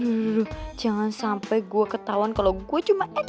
aduh jangan sampai gue ketauan kalau gue cuma acting